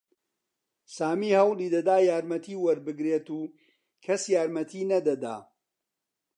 سامی هەوڵی دەدا یارمەتی وەربگرێت و کەس یارمەتیی نەدەدا.